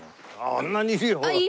あんなにいるよほら！